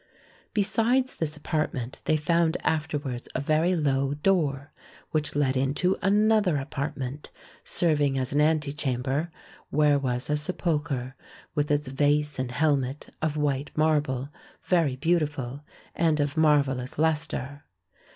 Besides this apartment, they found afterwards a very low door, which led into another apartment, serving as an antechamber, where was a sepulchre, with its vase and helmet, of white marble, very beau tiful, and of marvellous lustre.